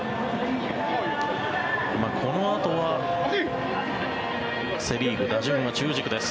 このあとはセ・リーグ、打順は中軸です。